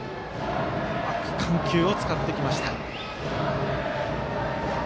うまく緩急を使ってきました。